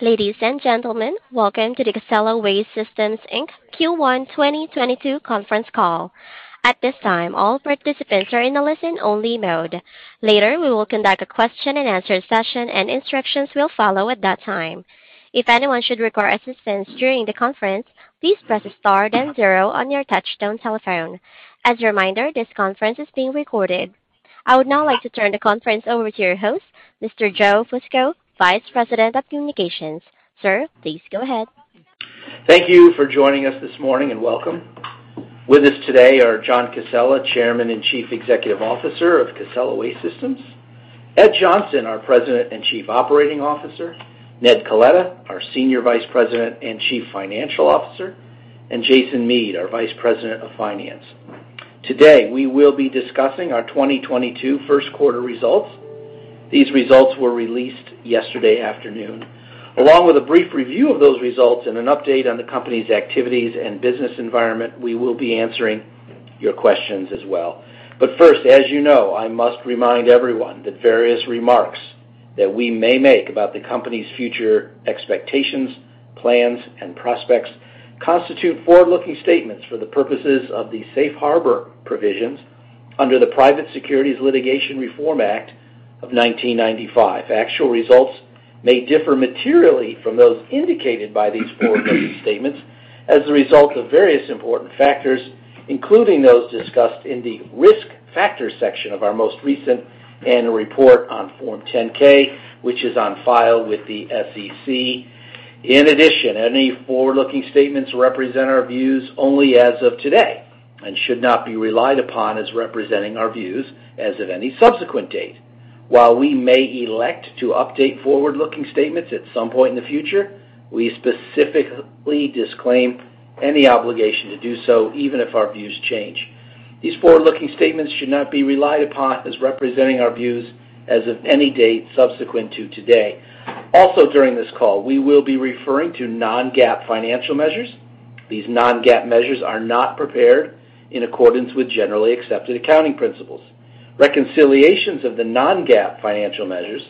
Ladies and gentlemen, welcome to the Casella Waste Systems, Inc. Q1 2022 conference call. At this time, all participants are in a listen-only mode. Later, we will conduct a question-and-answer session, and instructions will follow at that time. If anyone should require assistance during the conference, please press star then zero on your touchtone telephone. As a reminder, this conference is being recorded. I would now like to turn the conference over to your host, Mr. Joe Fusco, Vice President of Communications. Sir, please go ahead. Thank you for joining us this morning and welcome. With us today are John Casella, Chairman and Chief Executive Officer of Casella Waste Systems. Ed Johnson, our President and Chief Operating Officer. Ned Coletta, our Senior Vice President and Chief Financial Officer, and Jason Mead, our Vice President of Finance. Today, we will be discussing our 2022 first results. These results were released yesterday afternoon. Along with a brief review of those results and an update on the company's activities and business environment, we will be answering your questions as well. First, as you know, I must remind everyone that various remarks that we may make about the company's future expectations, plans and prospects constitute forward-looking statements for the purposes of the safe harbor provisions under the Private Securities Litigation Reform Act of 1995. Actual results may differ materially from those indicated by these forward-looking statements as a result of various important factors, including those discussed in the risk factors section of our most recent annual report on Form 10-K, which is on file with the SEC. In addition, any forward-looking statements represent our views only as of today and should not be relied upon as representing our views as of any subsequent date. While we may elect to update forward-looking statements at some point in the future, we specifically disclaim any obligation to do so even if our views change. These forward-looking statements should not be relied upon as representing our views as of any date subsequent to today. Also, during this call, we will be referring to non-GAAP financial measures. These non-GAAP measures are not prepared in accordance with generally accepted accounting principles. Reconciliations of the non-GAAP financial measures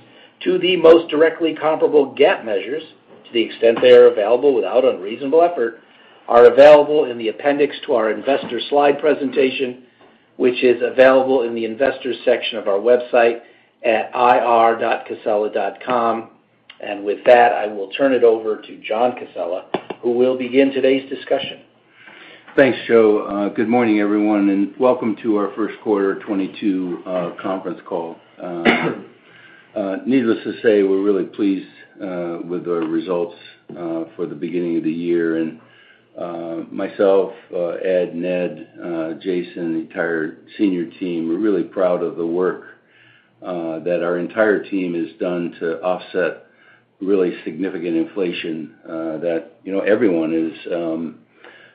to the most directly comparable GAAP measures, to the extent they are available without unreasonable effort, are available in the appendix to our investor slide presentation, which is available in the Investors section of our website at ir.casella.com. With that, I will turn it over to John Casella, who will begin today's discussion. Thanks, Joe. Good morning, everyone, and welcome to our Q1 2022 conference call. Needless to say, we're really pleased with our results for the beginning of the. Myself, Ed, Ned, Jason, the entire senior team, we're really proud of the work that our entire team has done to offset really significant inflation that, you know, everyone is,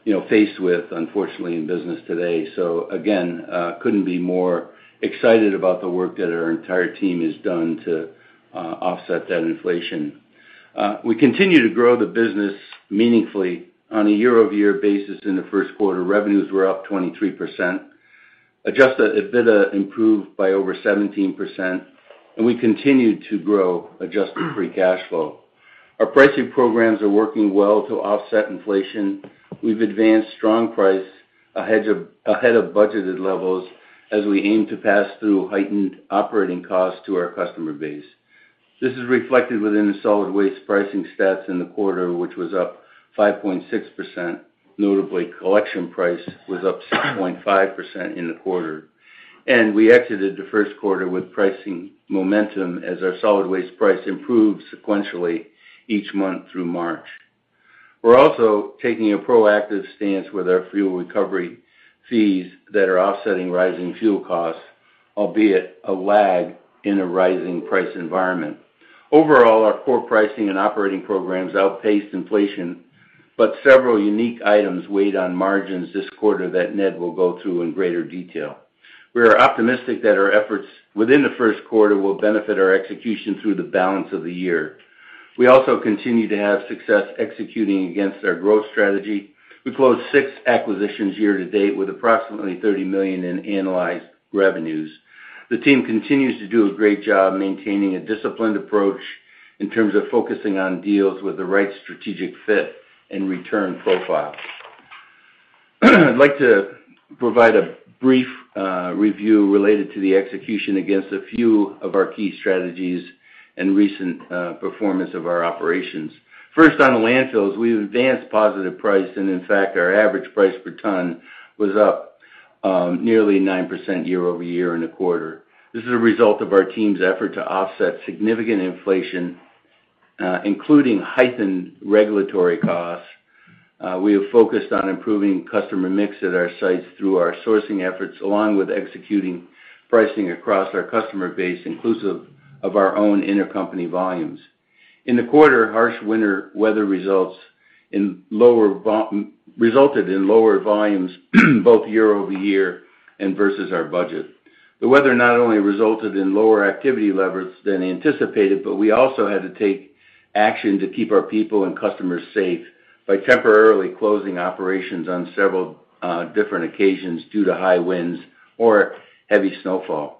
you know, faced with, unfortunately, in business today. Again, couldn't be more excited about the work that our entire team has done to offset that inflation. We continue to grow the business meaningfully on a -over- basis in the Q1. Revenues were up 23%. Adjusted EBITDA improved by over 17%, and we continued to grow adjusted free cash flow. Our pricing programs are working well to offset inflation. We've advanced strong pricing ahead of budgeted levels as we aim to pass through heightened operating costs to our customer base. This is reflected within the solid waste pricing stats in the quarter, which was up 5.6%. Notably, collection pricing was up 6.5% in the quarter. We exited the Q1 with pricing momentum as our solid waste pricing improved sequentially each month through March. We're also taking a proactive stance with our fuel recovery fees that are offsetting rising fuel costs, albeit a lag in a rising price environment. Overall, our core pricing and operating programs outpaced inflation, but several unique items weighed on margins this quarter that Ned will go through in greater detail. We are optimistic that our efforts within the Q1 will benefit our execution through the balance of the year. We also continue to have success executing against our growth strategy. We closed 6 acquisitions year to date with approximately $30 million in annualized revenues. The team continues to do a great job maintaining a disciplined approach in terms of focusing on deals with the right strategic fit and return profile. I'd like to provide a brief review related to the execution against a few of our key strategies and recent performance of our operations. First, on landfills, we've advanced positive price, and in fact, our average price per ton was up nearly 9% year-over-year in the quarter. This is a result of our team's effort to offset significant inflation, including heightened regulatory costs. We have focused on improving customer mix at our sites through our sourcing efforts, along with executing pricing across our customer base, inclusive of our own intercompany volumes. In the quarter, harsh winter weather resulted in lower volumes both year-over-year and versus our budget. The weather not only resulted in lower activity levels than anticipated, but we also had to take action to keep our people and customers safe by temporarily closing operations on several different occasions due to high winds or heavy snowfall.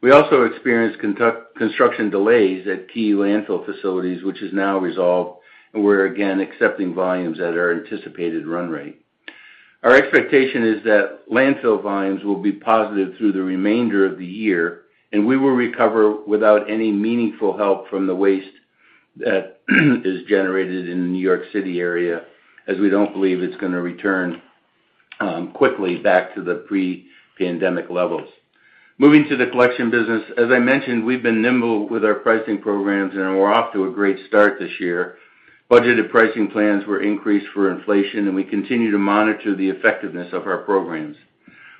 We also experienced construction delays at key landfill facilities, which is now resolved, and we're again accepting volumes at our anticipated run rate. Our expectation is that landfill volumes will be positive through the remainder of the year, and we will recover without any meaningful help from the waste that is generated in the New York City area, as we don't believe it's gonna return quickly back to the pre-pandemic levels. Moving to the collection business. As I mentioned, we've been nimble with our pricing programs, and we're off to a great start this year. Budgeted pricing plans were increased for inflation, and we continue to monitor the effectiveness of our programs.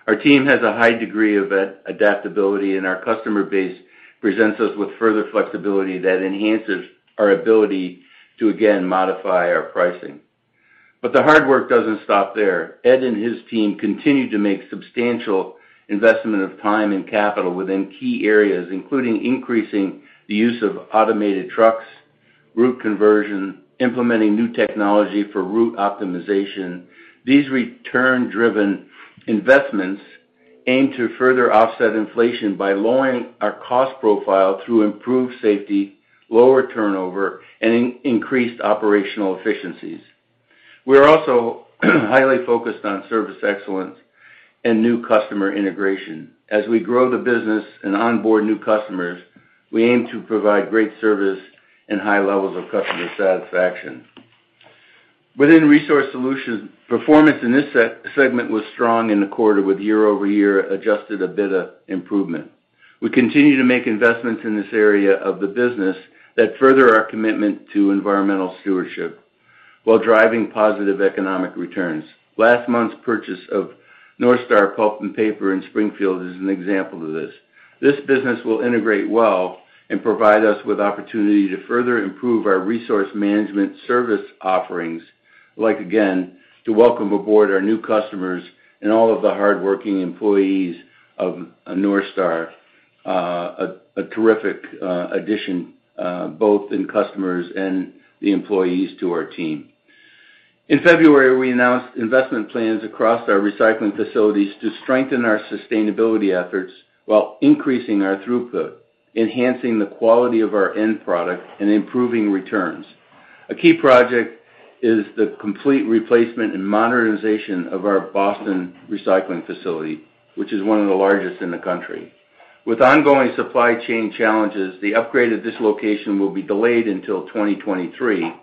Our team has a high degree of adaptability, and our customer base presents us with further flexibility that enhances our ability to again modify our pricing. The hard work doesn't stop there. Ed and his team continue to make substantial investment of time and capital within key areas, including increasing the use of automated trucks, route conversion, implementing new technology for route optimization. These return-driven investments aim to further offset inflation by lowering our cost profile through improved safety, lower turnover, and increased operational efficiencies. We're also highly focused on service excellence and new customer integration. As we grow the business and onboard new customers, we aim to provide great service and high levels of customer satisfaction. Within Resource Solutions, performance in this segment was strong in the quarter with year-over-year adjusted EBITDA improvement. We continue to make investments in this area of the business that further our commitment to environmental stewardship while driving positive economic returns. Last month's purchase of North Star Pulp & Paper in Springfield is an example of this. This business will integrate well and provide us with opportunity to further improve our resource management service offerings, like, again, to welcome aboard our new customers and all of the hardworking employees of Northstar, a terrific addition both in customers and the employees to our team. In February, we announced investment plans across our recycling facilities to strengthen our sustainability efforts while increasing our throughput, enhancing the quality of our end product, and improving returns. A key project is the complete replacement and modernization of our Boston recycling facility, which is one of the largest in the country. With ongoing supply chain challenges, the upgrade of this location will be delayed until 2023,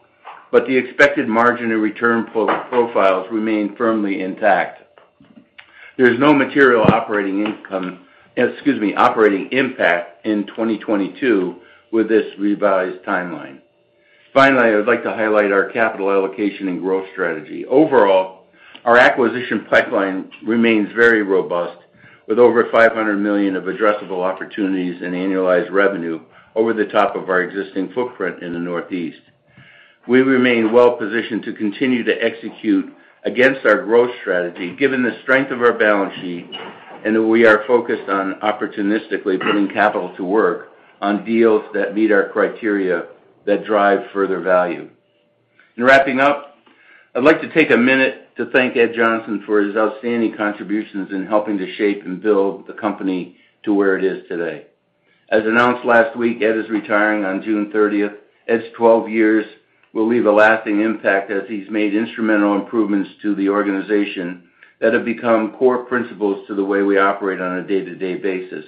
but the expected margin and return profiles remain firmly intact. There's no material operating impact in 2022 with this revised timeline. Finally, I would like to highlight our capital allocation and growth strategy. Overall, our acquisition pipeline remains very robust with over $500 million of addressable opportunities in annualized revenue over the top of our existing footprint in the Northeast. We remain well-positioned to continue to execute against our growth strategy, given the strength of our balance sheet and that we are focused on opportunistically putting capital to work on deals that meet our criteria that drive further value. In wrapping up, I'd like to take a minute to thank Ed Johnson for his outstanding contributions in helping to shape and build the company to where it is today. As announced last week, Ed is retiring on June thirtieth. Ed's 12 years will leave a lasting impact as he's made instrumental improvements to the organization that have become core principles to the way we operate on a day-to-day basis.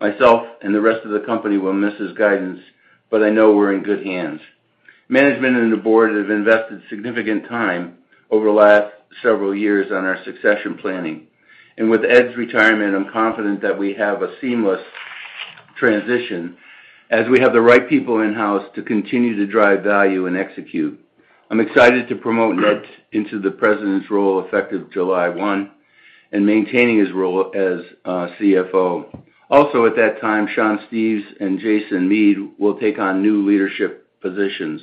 Myself and the rest of the company will miss his guidance, but I know we're in good hands. Management and the board have invested significant time over the last several years on our succession planning. With Ed's retirement, I'm confident that we have a seamless transition as we have the right people in-house to continue to drive value and execute. I'm excited to promote Ned into the president's role effective July 1 and maintaining his role as CFO. Also, at that time, Sean Steves and Jason Mead will take on new leadership positions.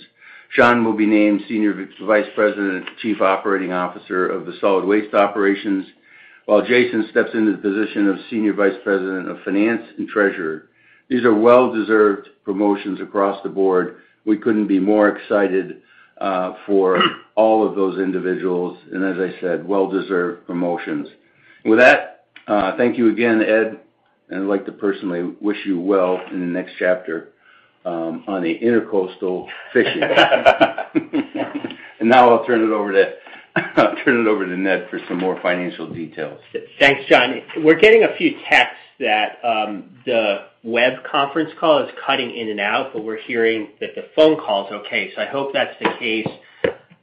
Sean will be named Senior Vice President and Chief Operating Officer of the Solid Waste Operations, while Jason steps into the position of Senior Vice President of Finance and Treasurer. These are well-deserved promotions across the board. We couldn't be more excited for all of those individuals, and as I said, well-deserved promotions. With that, thank you again, Ed, and I'd like to personally wish you well in the next chapter on the Intracoastal fishing. Now I'll turn it over to Ned for some more financial details. Thanks, John. We're getting a few texts that the web conference call is cutting in and out, but we're hearing that the phone call is okay, so I hope that's the case.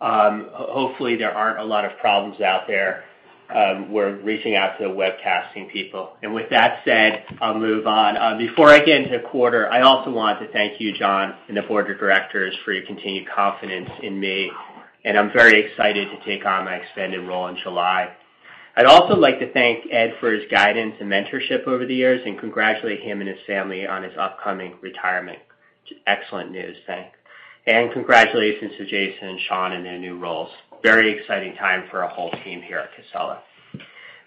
Hopefully, there aren't a lot of problems out there. We're reaching out to the webcasting people. With that said, I'll move on. Before I get into the quarter, I also want to thank you, John, and the board of directors for your continued confidence in me, and I'm very excited to take on my expanded role in July. I'd also like to thank Ed for his guidance and mentorship over the years and congratulate him and his family on his upcoming retirement. Excellent news. Thanks. Congratulations to Jason and Sean in their new roles. Very exciting time for our whole team here at Casella.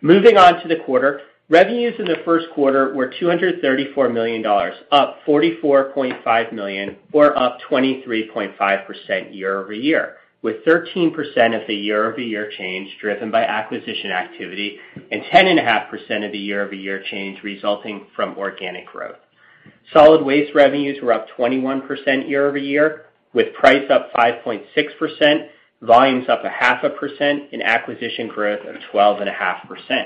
Moving on to the quarter. Revenues in the Q1 were $234 million, up $44.5 million or up 23.5% year-over-year, with 13% of the year-over-year change driven by acquisition activity and 10.5% of the year-over-year change resulting from organic growth. Solid waste revenues were up 21% year-over-year, with price up 5.6%, volumes up 0.5%, and acquisition growth of 12.5%.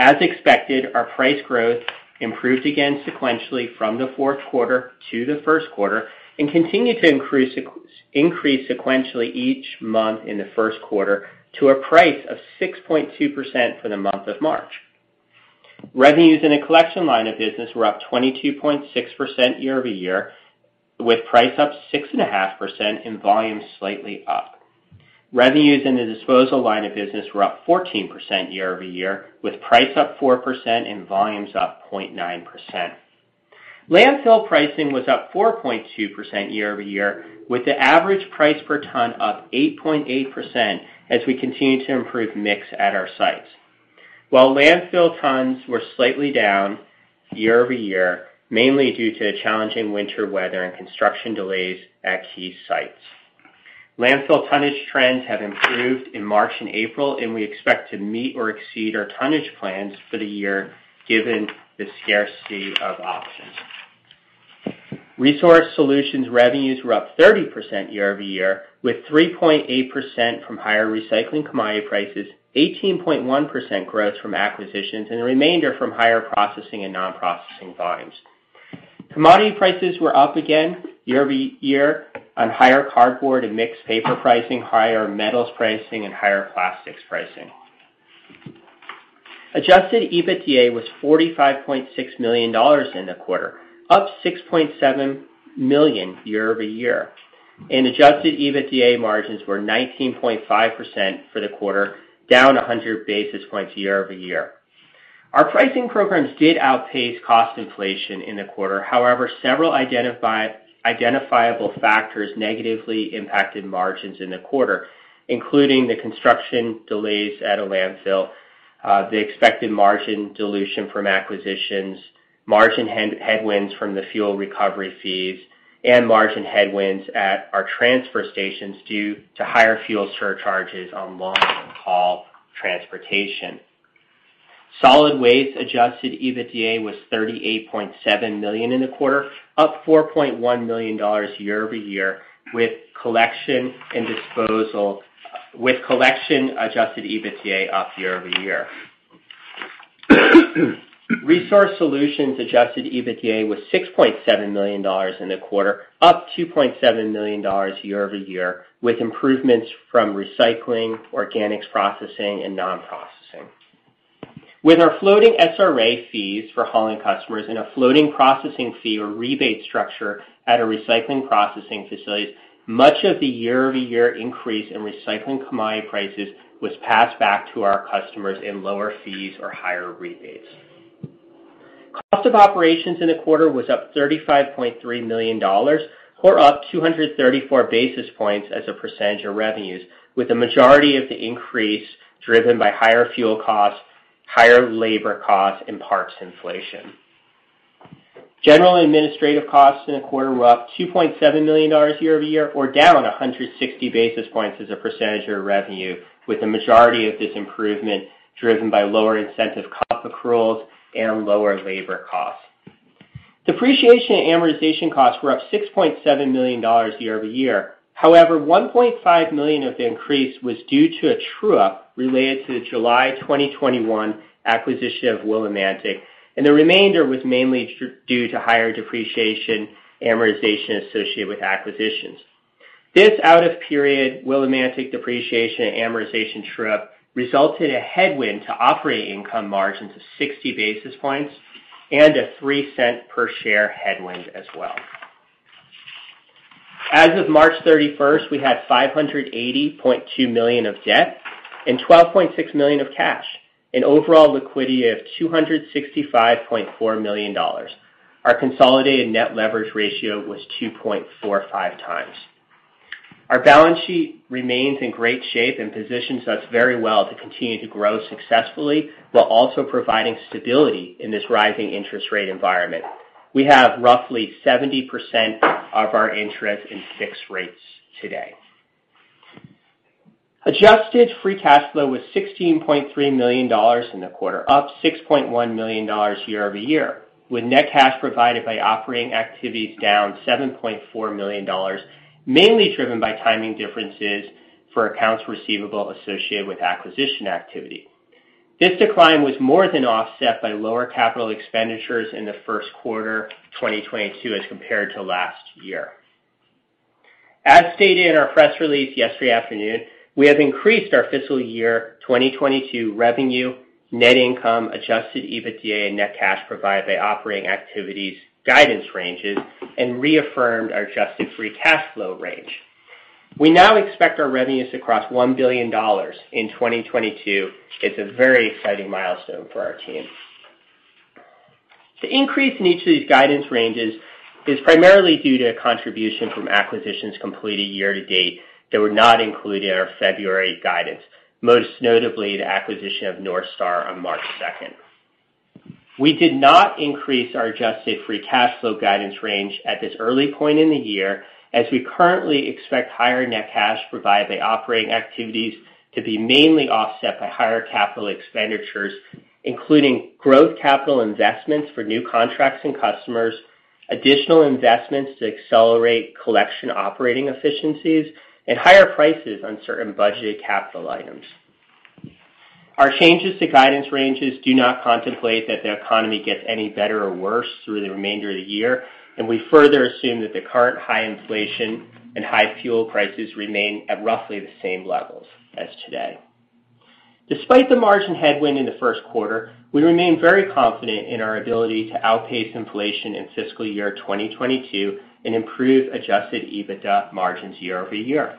As expected, our price growth improved again sequentially from the Q4 to the Q1 and continued to increase sequentially each month in the Q1 to a price of 6.2% for the month of March. Revenues in the collection line of business were up 22.6% year-over-year, with price up 6.5% and volume slightly up. Revenues in the disposal line of business were up 14% year-over-year, with price up 4% and volumes up 0.9%. Landfill pricing was up 4.2% year-over-year, with the average price per ton up 8.8% as we continue to improve mix at our sites. While landfill tons were slightly down year-over-year, mainly due to challenging winter weather and construction delays at key sites. Landfill tonnage trends have improved in March and April, and we expect to meet or exceed our tonnage plans for the year, given the scarcity of options. Resource Solutions revenues were up 30% year-over-year, with 3.8% from higher recycling commodity prices, 18.1% growth from acquisitions, and the remainder from higher processing and non-processing volumes. Commodity prices were up again year-over-year on higher cardboard and mixed paper pricing, higher metals pricing, and higher plastics pricing. Adjusted EBITDA was $45.6 million in the quarter, up $6.7 million year-over-year, and adjusted EBITDA margins were 19.5% for the quarter, down 100 basis points year-over-year. Our pricing programs did outpace cost inflation in the quarter. However, several identifiable factors negatively impacted margins in the quarter, including the construction delays at a landfill, the expected margin dilution from acquisitions, margin headwinds from the fuel recovery fees, and margin headwinds at our transfer stations due to higher fuel surcharges on long-haul transportation. Solid waste adjusted EBITDA was $38.7 million in the quarter, up $4.1 million year-over-year, with collection adjusted EBITDA up year-over-year. Resource Solutions adjusted EBITDA was $6.7 million in the quarter, up $2.7 million year-over-year, with improvements from recycling, organics processing, and non-processing. With our floating SRA fees for hauling customers and a floating processing fee or rebate structure at our recycling processing facilities, much of the year-over-year increase in recycling commodity prices was passed back to our customers in lower fees or higher rebates. Cost of operations in the quarter was up $35.3 million, or up 234 basis points as a percentage of revenues, with the majority of the increase driven by higher fuel costs, higher labor costs, and parts inflation. General and administrative costs in the quarter were up $2.7 million year-over-year or down 160 basis points as a percentage of revenue, with the majority of this improvement driven by lower incentive comp accruals and lower labor costs. Depreciation and amortization costs were up $6.7 million year-over-year. However, $1.5 million of the increase was due to a true-up related to the July 2021 acquisition of Willimantic, and the remainder was mainly due to higher depreciation, amortization associated with acquisitions. This out-of-period Willimantic depreciation and amortization true-up resulted in a headwind to operating income margins of 60 basis points and a $0.03 per share headwind as well. As of March 31, we had $580.2 million of debt and $12.6 million of cash, an overall liquidity of $265.4 million. Our consolidated net leverage ratio was 2.45 times. Our balance sheet remains in great shape and positions us very well to continue to grow successfully while also providing stability in this rising interest rate environment. We have roughly 70% of our interest in fixed rates today. Adjusted free cash flow was $16.3 million in the quarter, up $6.1 million year-over-year, with net cash provided by operating activities down $7.4 million, mainly driven by timing differences for accounts receivable associated with acquisition activity. This decline was more than offset by lower capital expenditures in the Q1 2022 as compared to last year. As stated in our press release yesterday afternoon, we have increased our fiscal year 2022 revenue, net income, Adjusted EBITDA, and net cash provided by operating activities guidance ranges and reaffirmed our adjusted free cash flow range. We now expect our revenues to cross $1 billion in 2022. It's a very exciting milestone for our team. The increase in each of these guidance ranges is primarily due to contribution from acquisitions completed year to date that were not included in our February guidance, most notably the acquisition of Northstar on March second. We did not increase our adjusted free cash flow guidance range at this early point in the year, as we currently expect higher net cash provided by operating activities to be mainly offset by higher capital expenditures, including growth capital investments for new contracts and customers. Additional investments to accelerate collection operating efficiencies and higher prices on certain budgeted capital items. Our changes to guidance ranges do not contemplate that the economy gets any better or worse through the remainder of the year, and we further assume that the current high inflation and high fuel prices remain at roughly the same levels as today. Despite the margin headwind in the Q1, we remain very confident in our ability to outpace inflation in fiscal year 2022 and improve Adjusted EBITDA margins year-over-year.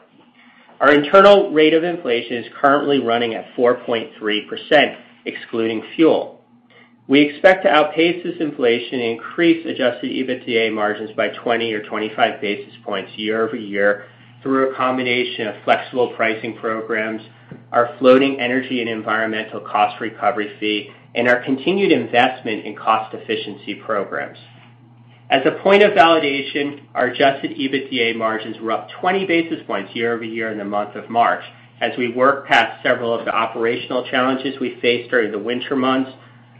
Our internal rate of inflation is currently running at 4.3%, excluding fuel. We expect to outpace this inflation and increase Adjusted EBITDA margins by 20 or 25 basis points year-over-year through a combination of flexible pricing programs, our floating energy and environmental cost recovery fee, and our continued investment in cost efficiency programs. As a point of validation, our Adjusted EBITDA margins were up 20 basis points year-over-year in the month of March as we worked past several of the operational challenges we faced during the winter months.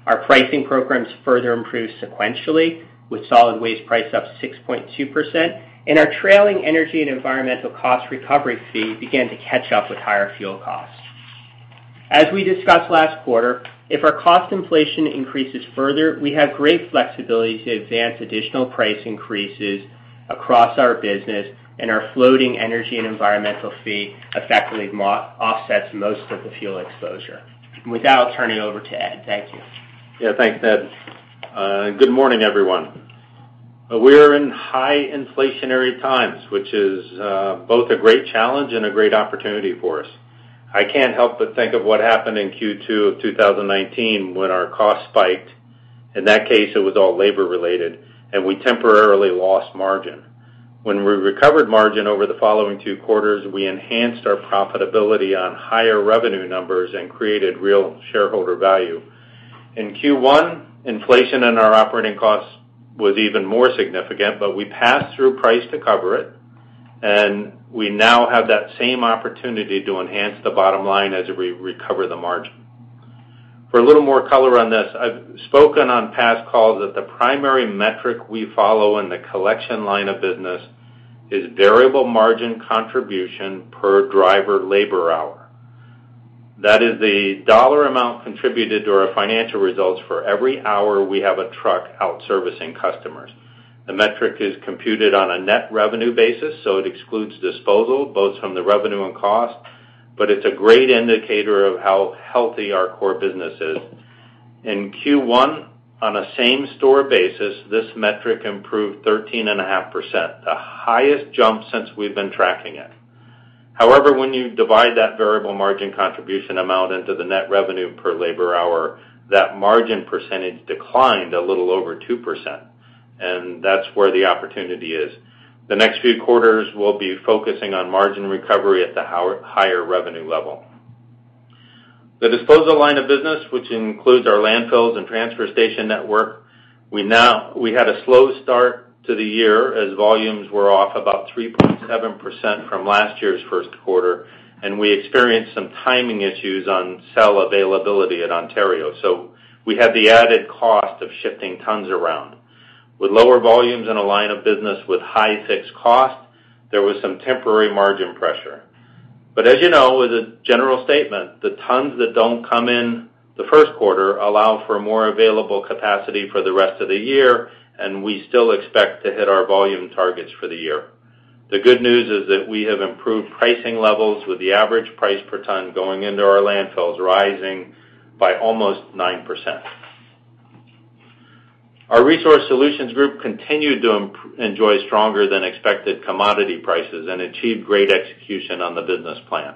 Our pricing programs further improved sequentially with solid waste price up 6.2% and our trailing energy and environmental cost recovery fee began to catch up with higher fuel costs. As we discussed last quarter, if our cost inflation increases further, we have great flexibility to advance additional price increases across our business, and our floating energy and environmental fee effectively offsets most of the fuel exposure. With that, I'll turn it over to Ed. Thank you. Yeah, thanks, Ned. Good morning, everyone. We're in high inflationary times, which is both a great challenge and a great opportunity for us. I can't help but think of what happened in Q2 of 2019 when our costs spiked. In that case, it was all labor-related, and we temporarily lost margin. When we recovered margin over the following two quarters, we enhanced our profitability on higher revenue numbers and created real shareholder value. In Q1, inflation in our operating costs was even more significant, but we passed through price to cover it, and we now have that same opportunity to enhance the bottom line as we recover the margin. For a little more color on this, I've spoken on past calls that the primary metric we follow in the collection line of business is variable margin contribution per driver labor hour. That is the dollar amount contributed to our financial results for every hour we have a truck out servicing customers. The metric is computed on a net revenue basis, so it excludes disposal, both from the revenue and cost, but it's a great indicator of how healthy our core business is. In Q1, on a same store basis, this metric improved 13.5%, the highest jump since we've been tracking it. However, when you divide that variable margin contribution amount into the net revenue per labor hour, that margin percentage declined a little over 2%, and that's where the opportunity is. The next few quarters, we'll be focusing on margin recovery at the higher revenue level. The disposal line of business, which includes our landfills and transfer station network, we now... We had a slow start to the year as volumes were off about 3.7% from last year's Q1, and we experienced some timing issues on cell availability at Ontario. We had the added cost of shifting tons around. With lower volumes in a line of business with high fixed costs, there was some temporary margin pressure. As you know, as a general statement, the tons that don't come in the Q1 allow for more available capacity for the rest of the year, and we still expect to hit our volume targets for the year. The good news is that we have improved pricing levels with the average price per ton going into our landfills, rising by almost 9%. Our Resource Solutions group continued to enjoy stronger than expected commodity prices and achieved great execution on the business plan.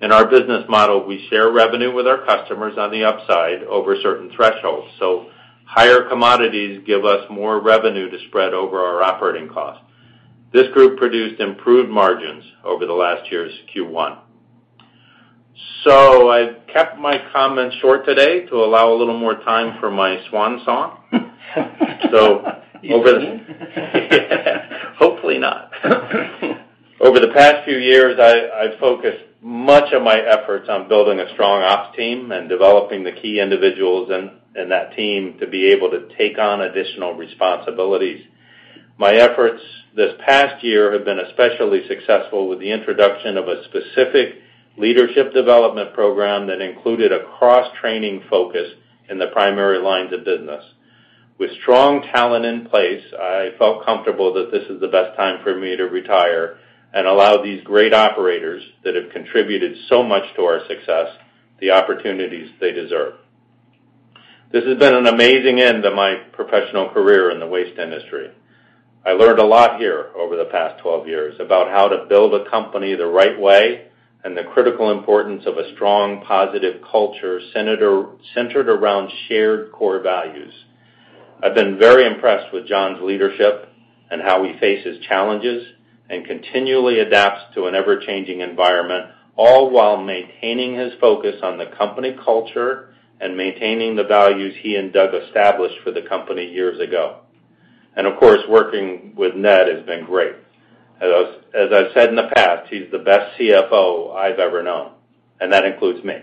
In our business model, we share revenue with our customers on the upside over certain thresholds, so higher commodities give us more revenue to spread over our operating costs. This group produced improved margins over the last year's Q1. I've kept my comments short today to allow a little more time for my swan song. You and me? Hopefully not. Over the past few years, I've focused much of my efforts on building a strong ops team and developing the key individuals in that team to be able to take on additional responsibilities. My efforts this past year have been especially successful with the introduction of a specific leadership development program that included a cross-training focus in the primary lines of business. With strong talent in place, I felt comfortable that this is the best time for me to retire and allow these great operators that have contributed so much to our success, the opportunities they deserve. This has been an amazing end of my professional career in the waste industry. I learned a lot here over the past 12 years about how to build a company the right way and the critical importance of a strong, positive culture centered around shared core values. I've been very impressed with John's leadership and how he faces challenges and continually adapts to an ever-changing environment, all while maintaining his focus on the company culture and maintaining the values he and Doug established for the company years ago. Of course, working with Ned has been great. As I've said in the past, he's the best CFO I've ever known, and that includes me.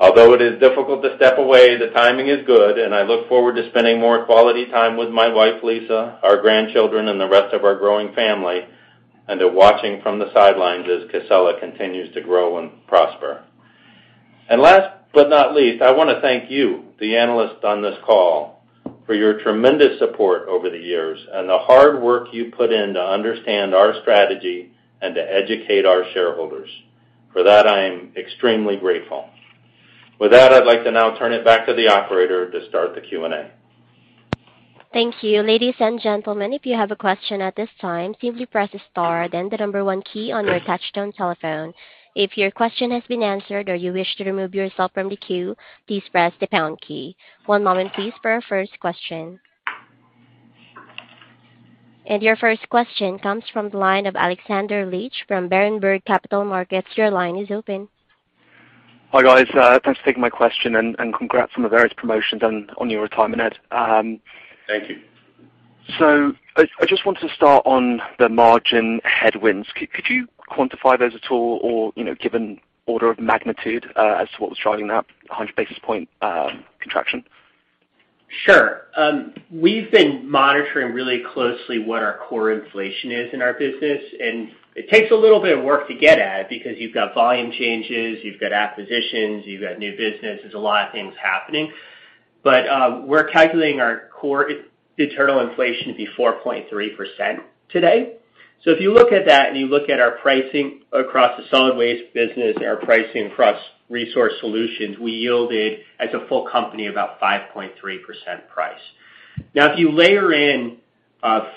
Although it is difficult to step away, the timing is good, and I look forward to spending more quality time with my wife, Lisa, our grandchildren, and the rest of our growing family, and to watching from the sidelines as Casella continues to grow and prosper. Last but not least, I want to thank you, the analysts on this call, for your tremendous support over the years and the hard work you put in to understand our strategy and to educate our shareholders. For that, I am extremely grateful. With that, I'd like to now turn it back to the operator to start the Q&A. Thank you. Ladies and gentlemen, if you have a question at this time, simply press star then the 1 key on your touchtone telephone. If your question has been answered or you wish to remove yourself from the queue, please press the pound key. One moment please for our first question. Your first question comes from the line of Alexander Leach from Berenberg Capital Markets. Your line is open. Hi, guys. Thanks for taking my question and congrats on the various promotions and on your retirement, Ed. Thank you. I just wanted to start on the margin headwinds. Could you quantify those at all or, you know, give an order of magnitude as to what was driving that 100 basis points contraction? Sure. We've been monitoring really closely what our core inflation is in our business, and it takes a little bit of work to get at because you've got volume changes, you've got acquisitions, you've got new business. There's a lot of things happening. We're calculating our core internal inflation to be 4.3% today. If you look at that and you look at our pricing across the solid waste business, our pricing across Resource Solutions, we yielded as a full company about 5.3% price. Now, if you layer in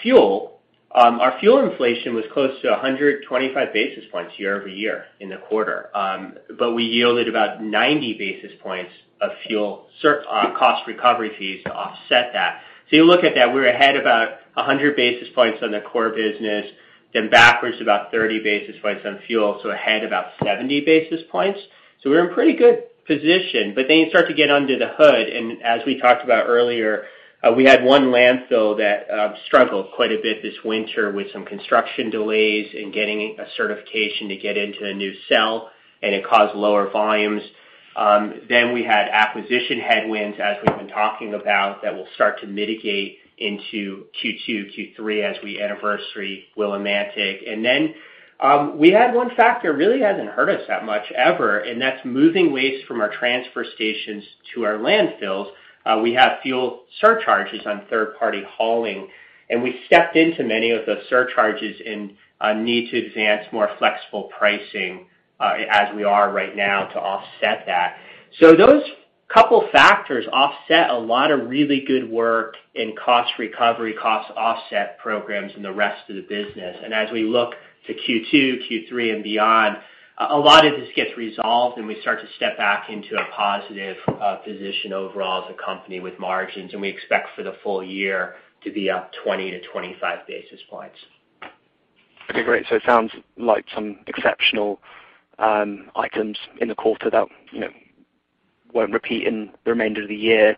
fuel, our fuel inflation was close to 125 basis points year-over-year in the quarter, but we yielded about 90 basis points of fuel cost recovery fees to offset that. You look at that, we were ahead about 100 basis points on the core business, then backwards about 30 basis points on fuel, so ahead about 70 basis points. We're in pretty good position, but then you start to get under the hood, and as we talked about earlier, we had one landfill that struggled quite a bit this winter with some construction delays in getting a certification to get into a new cell, and it caused lower volumes. We had acquisition headwinds, as we've been talking about, that will start to mitigate into Q2, Q3 as we anniversary Willimantic. We had one factor really hasn't hurt us that much ever, and that's moving waste from our transfer stations to our landfills. We have fuel surcharges on third-party hauling, and we stepped into many of the surcharges in a need to advance more flexible pricing, as we are right now to offset that. Those couple factors offset a lot of really good work in cost recovery, cost offset programs in the rest of the business. As we look to Q2, Q3 and beyond, a lot of this gets resolved, and we start to step back into a positive position overall as a company with margins, and we expect for the full year to be up 20-25 basis points. Okay, great. It sounds like some exceptional items in the quarter that, you know, won't repeat in the remainder of the year.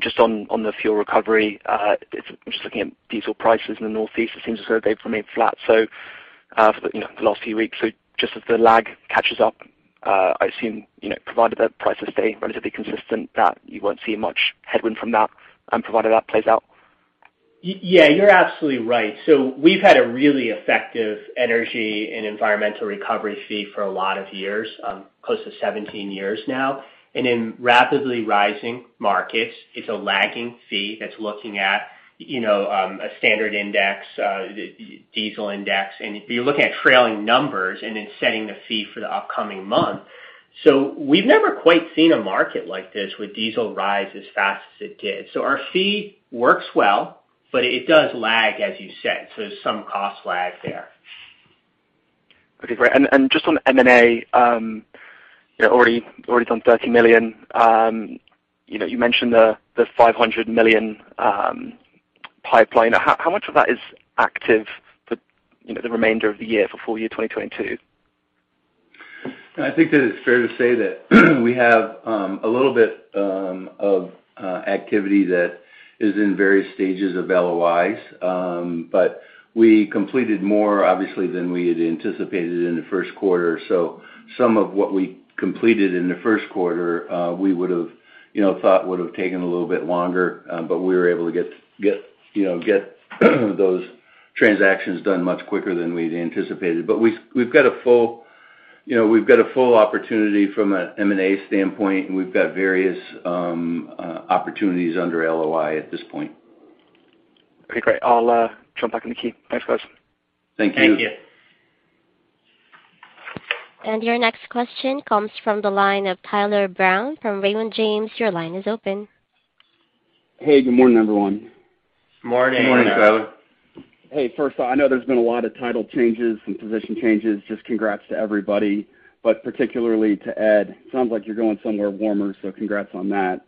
Just on the fuel recovery, I'm just looking at diesel prices in the Northeast. It seems as though they've remained flat, you know, the last few weeks. Just as the lag catches up, I assume, you know, provided that prices stay relatively consistent, that you won't see much headwind from that, provided that plays out. Yeah, you're absolutely right. We've had a really effective energy and environmental recovery fee for a lot of years, close to 17 years now. In rapidly rising markets, it's a lagging fee that's looking at, you know, a standard index, diesel index. You're looking at trailing numbers and then setting the fee for the upcoming month. We've never quite seen a market like this with diesel rise as fast as it did. Our fee works well, but it does lag, as you said, so there's some cost lag there. Okay, great. Just on M&A, you're already done $30 million. You know, you mentioned the $500 million pipeline. How much of that is active, you know, the remainder of the year for full year 2022? I think that it's fair to say that we have a little bit of activity that is in various stages of LOIs. We completed more obviously than we had anticipated in the Q1. Some of what we completed in the Q1, we would've, you know, thought would've taken a little bit longer, but we were able to get you know those transactions done much quicker than we'd anticipated. We've got a full opportunity from an M&A standpoint, and we've got various opportunities under LOI at this point. Okay, great. I'll jump back in the queue. Thanks, guys. Thank you. Thank you. Your next question comes from the line of Tyler Brown from Raymond James. Your line is open. Hey, good morning, everyone. Morning. Morning, Tyler. Hey. First off, I know there's been a lot of title changes and position changes. Just congrats to everybody, but particularly to Ed. Sounds like you're going somewhere warmer, so congrats on that.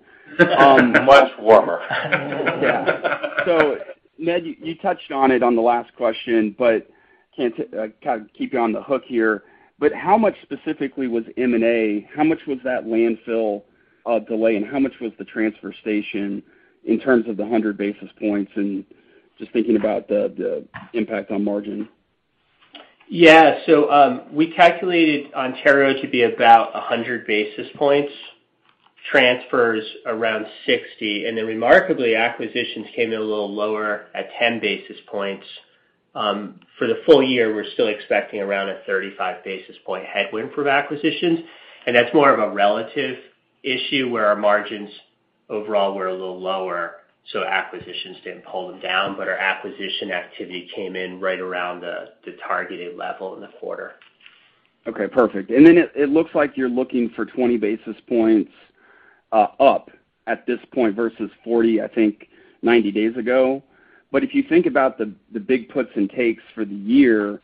Much warmer. Yeah, Ned, you touched on it in the last question but can't kind of keep you on the hook here. How much specifically was M&A? How much was that landfill delay, and how much was the transfer station in terms of the 100 basis points? Just thinking about the impact on margin. Yeah. We calculated Ontario to be about 100 basis points, transfers around 60, and then remarkably, acquisitions came in a little lower at 10 basis points. For the full year, we're still expecting around a 35 basis point headwind from acquisitions. That's more of a relative issue where our margins overall were a little lower, so acquisitions didn't pull them down. Our acquisition activity came in right around the targeted level in the quarter. Okay, perfect. Then it looks like you're looking for 20 basis points up at this point versus 40, I think 90 days ago. If you think about the big puts and takes for the year,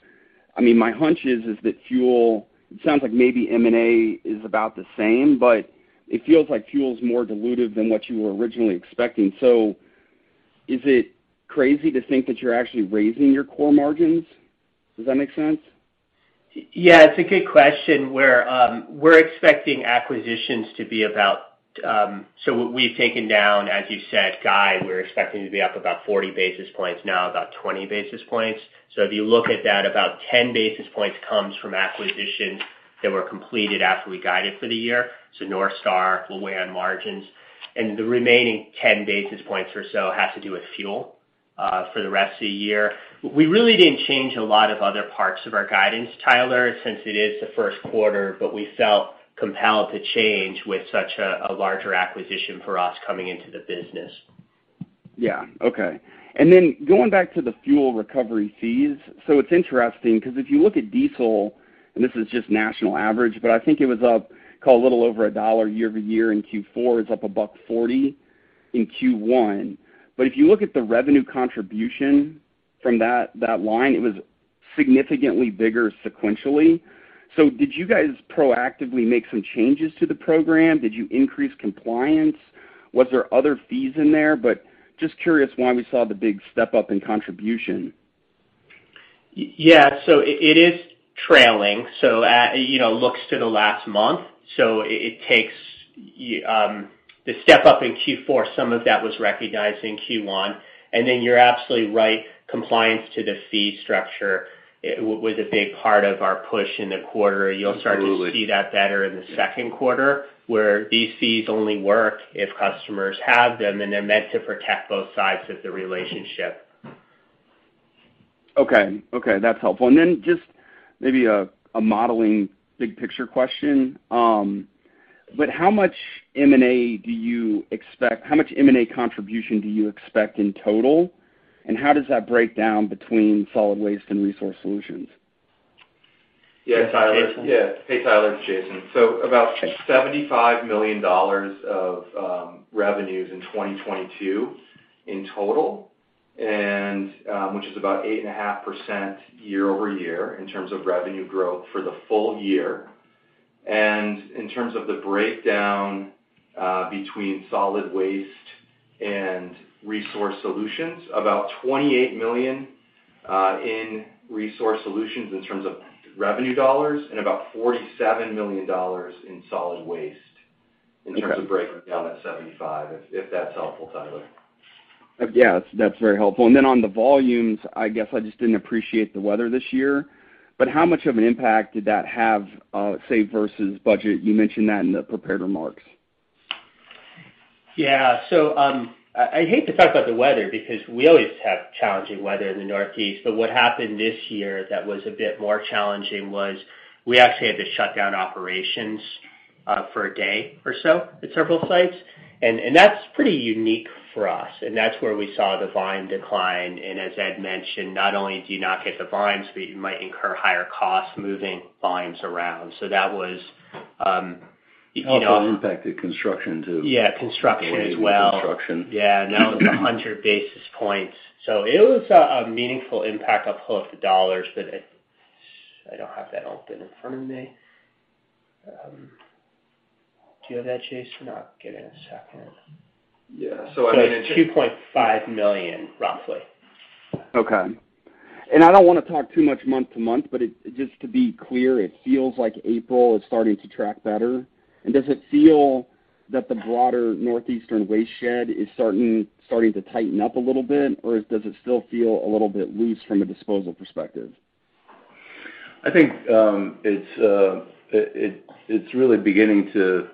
I mean, my hunch is that fuel. It sounds like maybe M&A is about the same, but it feels like fuel's more dilutive than what you were originally expecting. Is it crazy to think that you're actually raising your core margins? Does that make sense? Yeah, it's a good question, where we're expecting acquisitions to be about. What we've taken down, as you said, guide, we're expecting to be up about 40 basis points, now about 20 basis points. If you look at that, about 10 basis points comes from acquisitions that were completed after we guided for the year, so Northstar will weigh on margins. The remaining 10 basis points or so has to do with fuel, for the rest of the year. We really didn't change a lot of other parts of our guidance, Tyler, since it is the Q1, but we felt compelled to change with such a larger acquisition for us coming into the business. Going back to the fuel recovery fees. It's interesting because if you look at diesel, and this is just national average, but I think it was up, call it a little over $1 year-over-year in Q4. It's up $1.40 in Q1. If you look at the revenue contribution from that line, it was significantly bigger sequentially. Did you guys proactively make some changes to the program? Did you increase compliance? Was there other fees in there? Just curious why we saw the big step up in contribution. Yeah. It is trailing, so it looks to the last month, you know. It takes the step up in Q4, some of that was recognized in Q1. Then you're absolutely right, compliance to the fee structure was a big part of our push in the quarter. You'll start to see that better in the Q2, where these fees only work if customers have them, and they're meant to protect both sides of the relationship. Okay, that's helpful. Then just maybe a modeling big picture question. How much M&A contribution do you expect in total? How does that break down between Solid Waste and Resource Solutions? Yeah, Tyler. Jason? Yeah. Hey, Tyler, it's Jason. About $75 million of revenues in 2022 in total, which is about 8.5% year-over-year in terms of revenue growth for the full year. In terms of the breakdown between solid waste and Resource Solutions, about $28 million in Resource Solutions in terms of revenue dollars and about $47 million in solid waste- Okay. In terms of breaking down that 75, if that's helpful, Tyler. Yeah, that's very helpful. Then on the volumes, I guess I just didn't appreciate the weather this year. How much of an impact did that have, say, versus budget? You mentioned that in the prepared remarks. Yeah. I hate to talk about the weather because we always have challenging weather in the Northeast, but what happened this year that was a bit more challenging was we actually had to shut down operations for a day or so at several sites, and that's pretty unique for us, and that's where we saw the volume decline. As Ed mentioned, not only do you not get the volumes, but you might incur higher costs moving volumes around. That was. Also impacted construction too. Yeah, construction as well. Construction. Yeah, that was 100 basis points. It was a meaningful impact. I'll pull up the dollars, but I don't have that open in front of me. Do you have that, Jason? I'll get it in a second. Yeah. I mean. $2.5 million, roughly. Okay. I don't wanna talk too much month-to-month, but just to be clear, it feels like April is starting to track better. Does it feel that the broader Northeastern waste shed is starting to tighten up a little bit, or does it still feel a little bit loose from a disposal perspective? I think it's really beginning to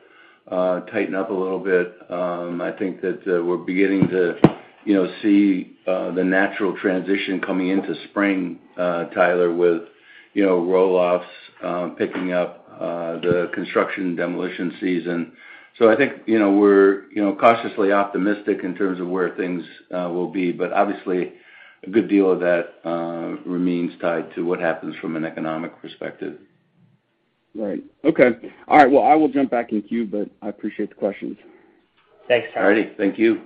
tighten up a little bit. I think that we're beginning to you know see the natural transition coming into spring, Tyler, with you know roll-offs picking up the construction and demolition season. I think you know we're you know cautiously optimistic in terms of where things will be, but obviously, a good deal of that remains tied to what happens from an economic perspective. Right. Okay. All right, well, I will jump back in queue, but I appreciate the questions. Thanks, Tyler. All righty. Thank you.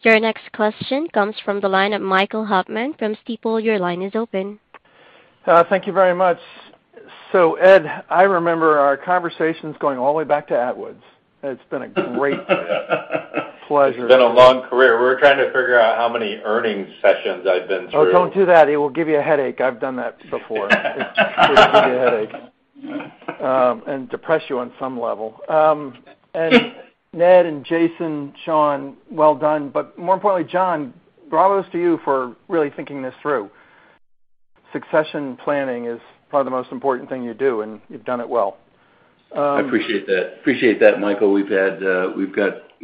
Your next question comes from the line of Michael Hoffman from Stifel. Your line is open. Thank you very much. Ed, I remember our conversations going all the way back to Attwoods. It's been a great pleasure. It's been a long career. We're trying to figure out how many earnings sessions I've been through. Oh, don't do that. It will give you a headache. I've done that before. It gives you a headache. Depress you on some level. Ned and Jason, Sean, well done. More importantly, John, bravo to you for really thinking this through. Succession planning is probably the most important thing you do, and you've done it well. I appreciate that. Appreciate that, Michael. We've got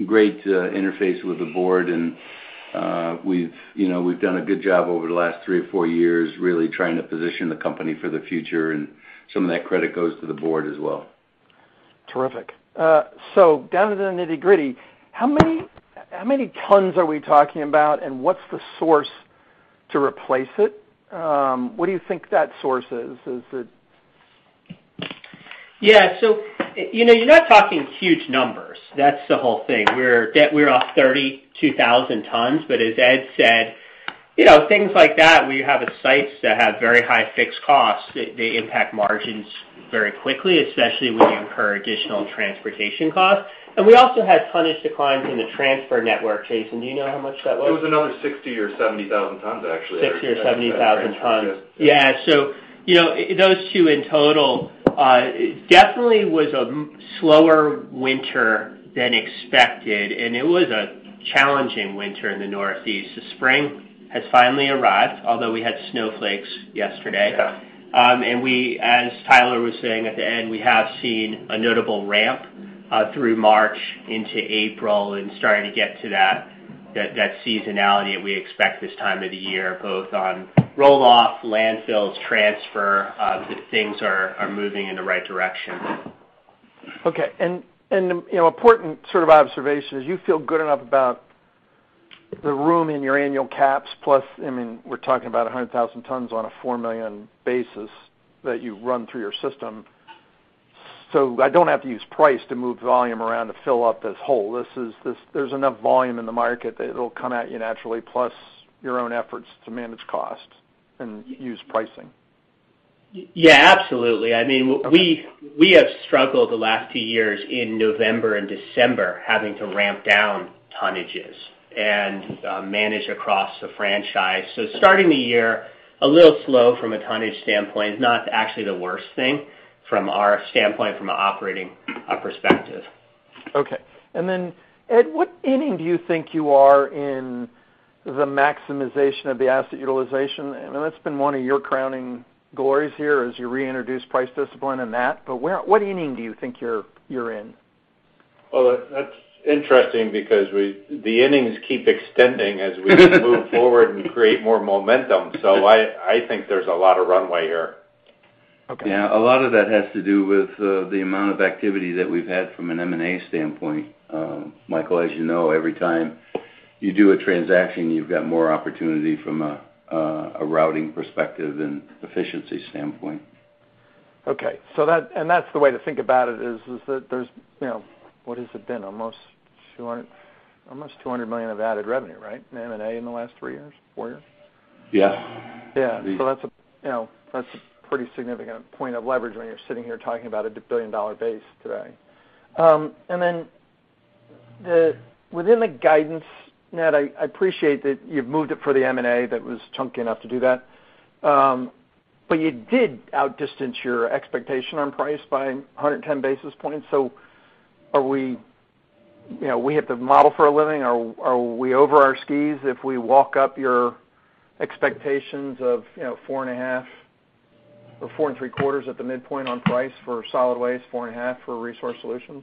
great interface with the board, and we've, you know, done a good job over the last three or four years really trying to position the company for the future, and some of that credit goes to the board as well. Terrific. Down to the nitty-gritty, how many tons are we talking about, and what's the source to replace it? What do you think that source is? Is it- Yeah. You know, you're not talking huge numbers. That's the whole thing. We're off 32,000 tons. As Ed said, you know, things like that, where you have sites that have very high fixed costs, they impact margins very quickly, especially when you incur additional transportation costs. We also had tonnage declines in the transfer network. Jason, do you know how much that was? It was another 60 or 70,000 tons, actually. 60,000 or 70,000 tons. Yeah. Yeah. You know, those two in total, it definitely was a slower winter than expected. It was a challenging winter in the Northeast. The spring has finally arrived, although we had snowflakes yesterday. Yeah. We, as Tyler was saying at the end, we have seen a notable ramp through March into April and starting to get to that seasonality that we expect this time of the year, both on roll-off, landfills, transfer, that things are moving in the right direction. You know, important sort of observation is you feel good enough about the room in your annual caps. Plus, I mean, we're talking about 100,000 tons on a 4 million basis that you run through your system. I don't have to use price to move volume around to fill up this hole. This, there's enough volume in the market that it'll come at you naturally, plus your own efforts to manage cost and use pricing. Yeah, absolutely. I mean Okay We have struggled the last two years in November and December having to ramp down tonnages and manage across the franchise. Starting the year, a little slow from a tonnage standpoint, not actually the worst thing from our standpoint from an operating perspective. Ed, what inning do you think you are in the maximization of the asset utilization? I know that's been one of your crowning glories here as you reintroduce price discipline in that. What inning do you think you're in? Well, that's interesting because the innings keep extending as we move forward and create more momentum. I think there's a lot of runway here. Okay. Yeah. A lot of that has to do with the amount of activity that we've had from an M&A standpoint. Michael, as you know, every time you do a transaction, you've got more opportunity from a routing perspective and efficiency standpoint. Okay. That's the way to think about it is that there's, you know, what has it been? Almost $200 million of added revenue, right? M&A in the last three years, four years? Yes. Yeah. The- That's a, you know, that's a pretty significant point of leverage when you're sitting here talking about a billion-dollar base today. Within the guidance, Ned, I appreciate that you've moved it for the M&A that was chunky enough to do that. But you did outdistance your expectation on price by 110 basis points. Are we, you know, we hit the model for a living. Are we over our skis if we walk up your expectations of, you know, 4.5 or 4.75 at the midpoint on price for solid waste, 4.5 for Resource Solutions?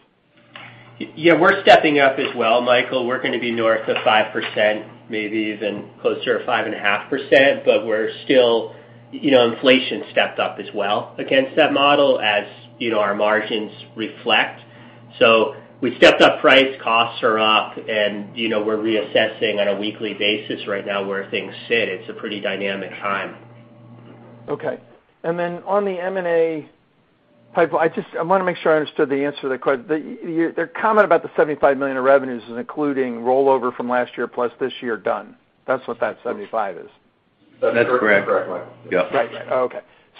Yeah, we're stepping up as well, Michael. We're gonna be north of 5%, maybe even closer to 5.5%, but we're still, you know, inflation stepped up as well against that model, as, you know, our margins reflect. So we stepped up price, costs are up, and you know, we're reassessing on a weekly basis right now where things sit. It's a pretty dynamic time. Okay. On the M&A pipeline, I just I wanna make sure I understood the answer to the comment about the $75 million in revenues including rollover from last year plus this year done. That's what that 75 is. That's correct. That's correct, Michael. Yeah. Right. Oh,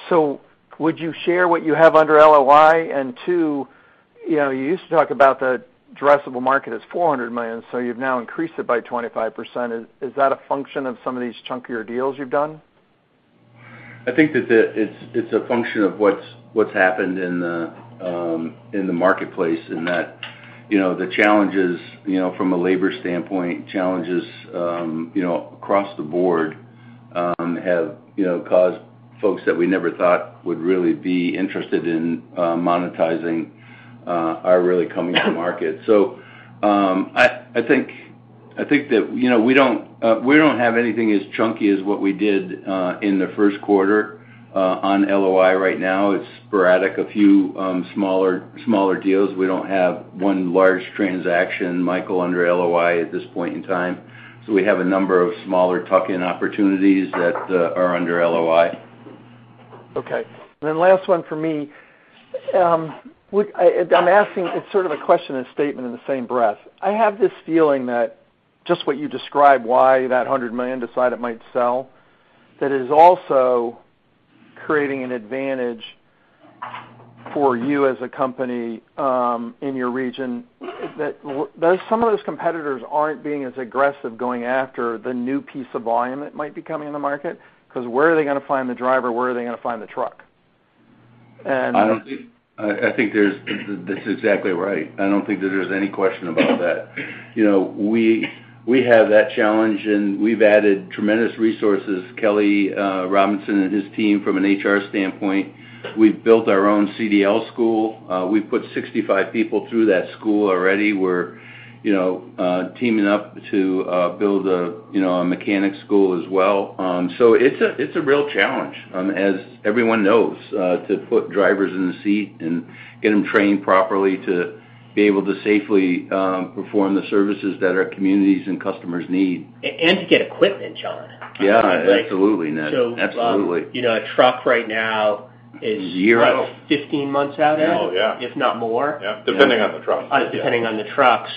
okay. Would you share what you have under LOI? Two, you know, you used to talk about the addressable market as $400 million, so you've now increased it by 25%. Is that a function of some of these chunkier deals you've done? I think that it's a function of what's happened in the marketplace, in that you know the challenges you know from a labor standpoint challenges across the board have you know caused folks that we never thought would really be interested in monetizing are really coming to market. I think that you know we don't have anything as chunky as what we did in the Q1 on LOI right now. It's sporadic, a few smaller deals. We don't have one large transaction, Michael, under LOI at this point in time. We have a number of smaller tuck-in opportunities that are under LOI. Okay. Last one for me. I'm asking, it's sort of a question and statement in the same breath. I have this feeling that just what you described, why that 100 million decided it might sell, that it is also creating an advantage for you as a company, in your region that some of those competitors aren't being as aggressive going after the new piece of volume that might be coming in the market. 'Cause where are they gonna find the driver? Where are they gonna find the truck? I think that's exactly right. I don't think that there's any question about that. You know, we have that challenge, and we've added tremendous resources. Kelley Robinson and his team from an HR standpoint. We've built our own CDL school. We've put 65 people through that school already. We're, you know, teaming up to build a, you know, a mechanic school as well. So, it's a real challenge, as everyone knows, to put drivers in the seat and get them trained properly to be able to safely perform the services that our communities and customers need. To get equipment, John. Yeah, absolutely, Ned. Absolutely. You know, a truck right now is- Zero What? 15 months out now? Oh, yeah. If not more. Yeah. Depending on the truck. Depending on the truck.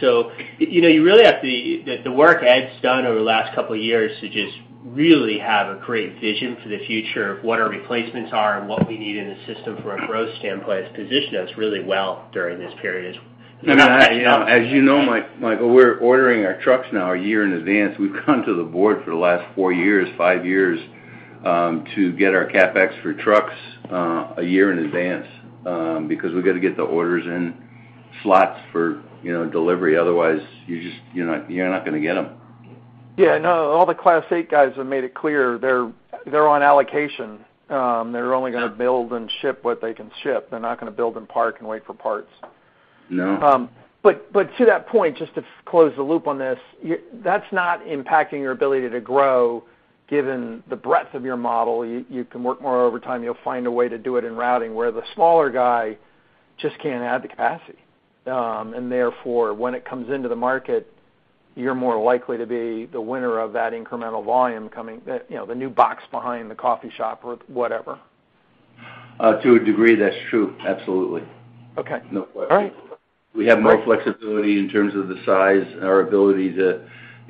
You know, you really have to the work Ed's done over the last couple of years to just really have a great vision for the future of what our replacements are and what we need in the system from a growth standpoint has positioned us really well during this period. You know, as you know, Michael, we're ordering our trucks now a year in advance. We've come to the board for the last four years, five years, to get our CapEx for trucks a year in advance, because we've got to get the orders in slots for, you know, delivery. Otherwise, you're not gonna get them. Yeah, no, all the Class 8 guys have made it clear they're on allocation. They're only gonna build and ship what they can ship. They're not gonna build and park and wait for parts. No. To that point, just to close the loop on this, that's not impacting your ability to grow, given the breadth of your model. You can work more overtime, you'll find a way to do it in routing, where the smaller guy just can't add the capacity. Therefore, when it comes into the market, you're more likely to be the winner of that incremental volume coming. You know, the new box behind the coffee shop or whatever. To a degree, that's true. Absolutely. Okay. No question. All right. We have more flexibility in terms of the size and our ability to,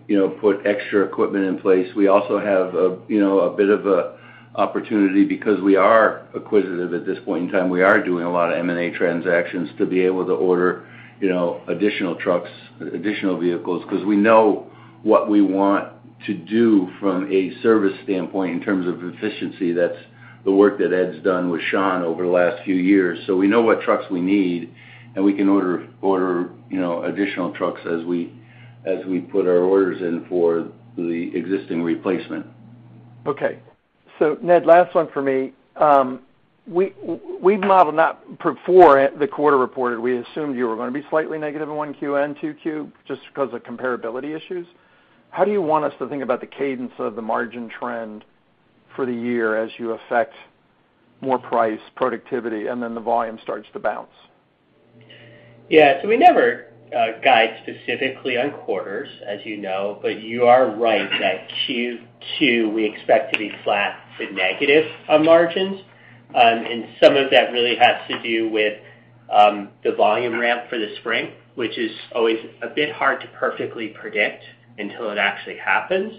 you know, put extra equipment in place. We also have a, you know, a bit of a opportunity because we are acquisitive at this point in time. We are doing a lot of M&A transactions to be able to order, you know, additional trucks, additional vehicles, because we know what we want to do from a service standpoint in terms of efficiency. That's the work that Ed's done with Sean over the last few years. We know what trucks we need, and we can order, you know, additional trucks as we put our orders in for the existing replacement. Ned, last one for me. We modeled it before the quarter reported. We assumed you were gonna be slightly negative in 1Q and 2Q just because of comparability issues. How do you want us to think about the cadence of the margin trend for the year as you affect more price, productivity, and then the volume starts to bounce? Yeah. We never guide specifically on quarters, as you know, but you are right that Q2, we expect to be flat to negative on margins. Some of that really has to do with the volume ramp for the spring, which is always a bit hard to perfectly predict until it actually happens.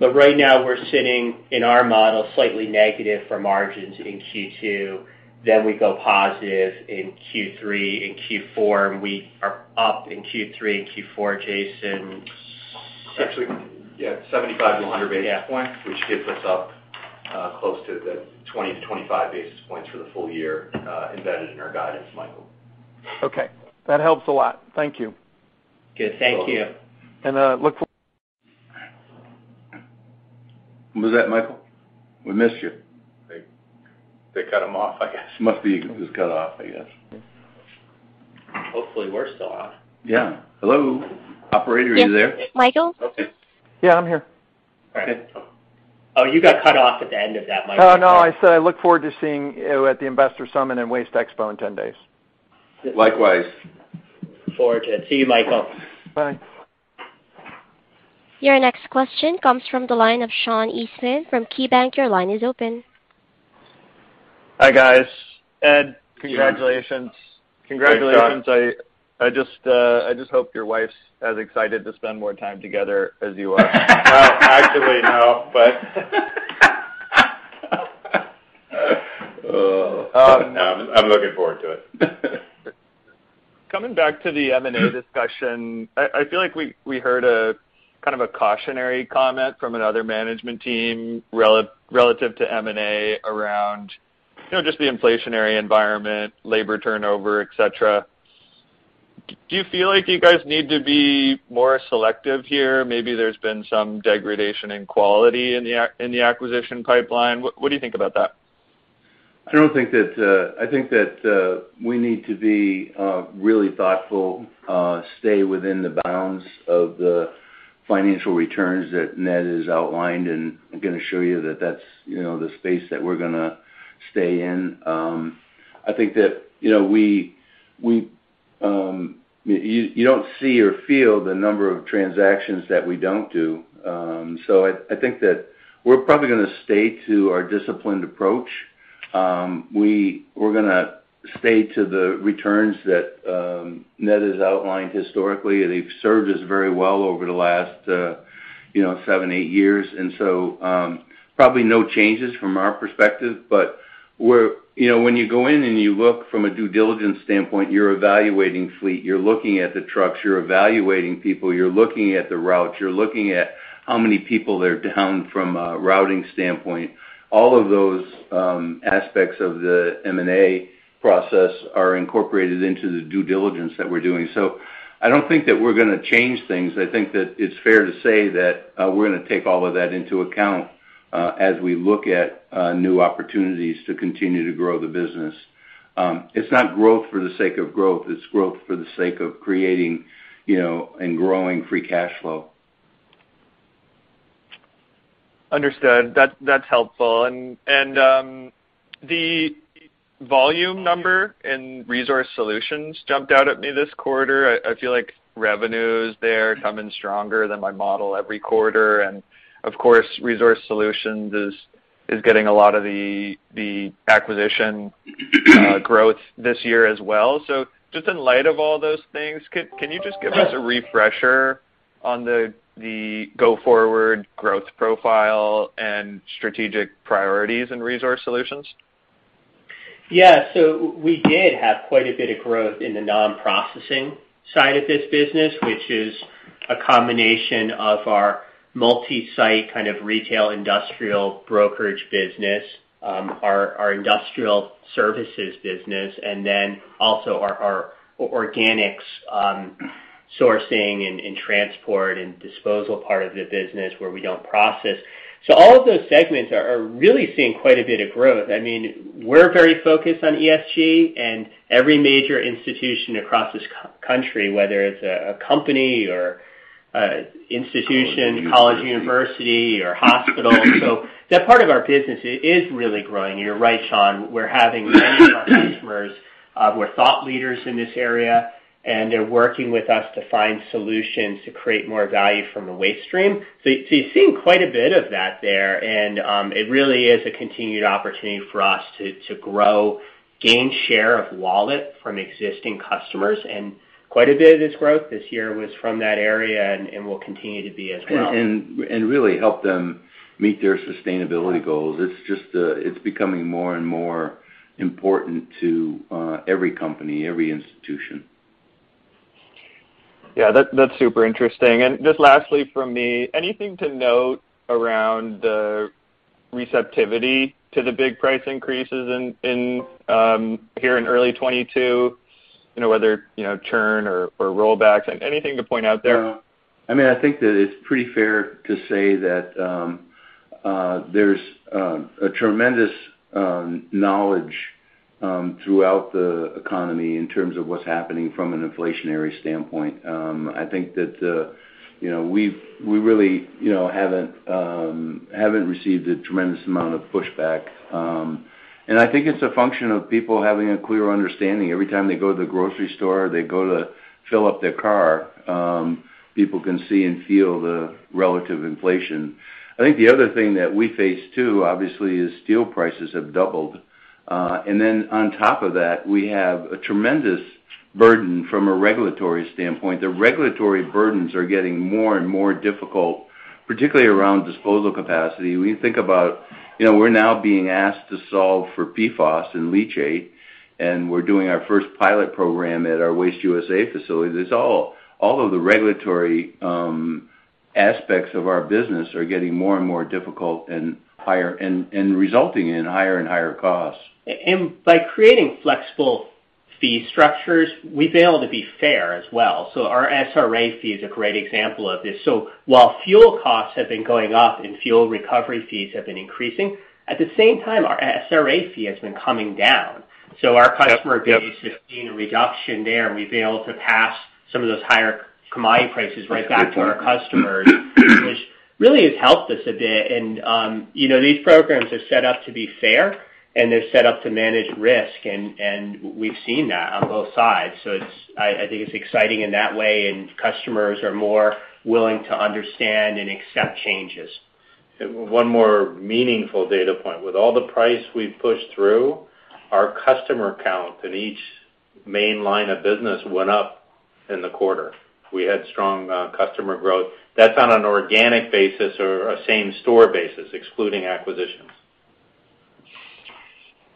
Right now, we're sitting in our model, slightly negative for margins in Q2. We go positive in Q3 and Q4, and we are up in Q3 and Q4, Jason. Actually, yeah, 75-100 basis points, which gets us up close to the 20-25 basis points for the full year embedded in our guidance, Michael. Okay. That helps a lot. Thank you. Good. Thank you. Look for What was that, Michael? We missed you. They cut him off, I guess. Must be. He was cut off, I guess. Hopefully, we're still on. Yeah. Hello? Operator, are you there? Yes. Michael? Okay. Yeah, I'm here. All right, cool. Oh, you got cut off at the end of that, Michael. Oh, no. I said I look forward to seeing you at the Investor Summit and WasteExpo in 10 days. Likewise. Look forward to it. See you, Michael. Bye. Your next question comes from the line of Sean Eastman from KeyBanc Capital Markets. Your line is open. Hi, guys. Ed, congratulations. I just hope your wife's as excited to spend more time together as you are. Well, actually, no. But no, I'm looking forward to it. Coming back to the M&A discussion, I feel like we heard kind of a cautionary comment from another management team relative to M&A around, you know, just the inflationary environment, labor turnover, et cetera. Do you feel like you guys need to be more selective here? Maybe there's been some degradation in quality in the acquisition pipeline. What do you think about that? I think that we need to be really thoughtful, stay within the bounds of the financial returns that Ned has outlined, and I'm gonna show you that that's, you know, the space that we're gonna stay in. I think that, you know, you don't see or feel the number of transactions that we don't do. I think that we're probably gonna stay to our disciplined approach. We're gonna stay to the returns that Ned has outlined historically. They've served us very well over the last, you know, seven, eight years. Probably no changes from our perspective. We're you know, when you go in and you look from a due diligence standpoint, you're evaluating fleet, you're looking at the trucks, you're evaluating people, you're looking at the routes, you're looking at how many people they're down from a routing standpoint. All of those aspects of the M&A process are incorporated into the due diligence that we're doing. I don't think that we're gonna change things. I think that it's fair to say that we're gonna take all of that into account as we look at new opportunities to continue to grow the business. It's not growth for the sake of growth, it's growth for the sake of creating, you know, and growing free cash flow. Understood. That's helpful. The volume number and Resource Solutions jumped out at me this quarter. I feel like revenues there come in stronger than my model every quarter. Of course, Resource Solutions is getting a lot of the acquisition growth this year as well. Just in light of all those things, can you just give us a refresher on the go-forward growth profile and strategic priorities and Resource Solutions? Yeah. We did have quite a bit of growth in the non-processing side of this business, which is a combination of our multi-site kind of retail industrial brokerage business, our industrial services business, and then also our organics sourcing and transport and disposal part of the business where we don't process. All of those segments are really seeing quite a bit of growth. I mean, we're very focused on ESG, and every major institution across this country, whether it's a company or an institution, college, university, or hospital. That part of our business is really growing. You're right, Sean. We're having many of our customers who are thought leaders in this area, and they're working with us to find solutions to create more value from the waste stream. You're seeing quite a bit of that there. It really is a continued opportunity for us to grow, gain share of wallet from existing customers. Quite a bit of this growth this year was from that area and will continue to be as well. really help them meet their sustainability goals. It's just, it's becoming more and more important to every company, every institution. Yeah, that's super interesting. Just lastly from me, anything to note around receptivity to the big price increases in here in early 2022, you know, whether you know, churn or rollbacks. Anything to point out there? Yeah. I mean, I think that it's pretty fair to say that there's a tremendous knowledge throughout the economy in terms of what's happening from an inflationary standpoint. I think that you know, we really, you know, haven't received a tremendous amount of pushback. I think it's a function of people having a clear understanding. Every time they go to the grocery store, they go to fill up their car, people can see and feel the relative inflation. I think the other thing that we face too, obviously, is steel prices have doubled. Then on top of that, we have a tremendous burden from a regulatory standpoint. The regulatory burdens are getting more and more difficult, particularly around disposal capacity. When you think about, you know, we're now being asked to solve for PFAS and leachate, and we're doing our first pilot program at our Waste USA facility. All of the regulatory aspects of our business are getting more and more difficult and higher, and resulting in higher and higher costs. By creating flexible fee structures, we've been able to be fair as well. Our SRA fee is a great example of this. While fuel costs have been going up and fuel recovery fees have been increasing, at the same time, our SRA fee has been coming down. Yep. Yep. Our customer base has seen a reduction there, and we've been able to pass some of those higher commodity prices right back to our customers, which really has helped us a bit. You know, these programs are set up to be fair, and they're set up to manage risk, and we've seen that on both sides. I think it's exciting in that way, and customers are more willing to understand and accept changes. One more meaningful data point. With all the price we've pushed through, our customer count in each main line of business went up in the quarter. We had strong customer growth. That's on an organic basis or a same store basis, excluding acquisitions.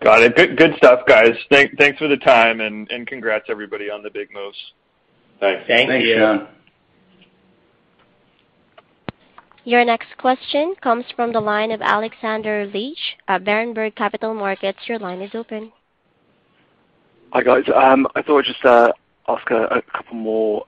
Got it. Good stuff, guys. Thanks for the time, and congrats everybody on the big moves. Thanks. Thank you. Thanks, Sean. Your next question comes from the line of Alexander Leach at Berenberg Capital Markets. Your line is open. Hi, guys. I thought I'd just ask a couple more.